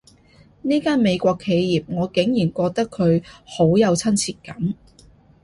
呢間美國企業，我竟然覺得佢好有親切感